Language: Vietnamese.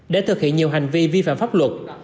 để thực hiện nhiều hành vi vi phạm pháp luật